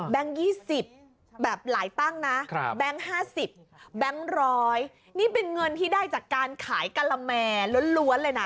๒๐แบบหลายตั้งนะแบงค์๕๐แบงค์๑๐๐นี่เป็นเงินที่ได้จากการขายกะละแมล้วนเลยนะ